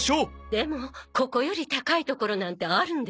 でもここより高い所なんてあるんですか？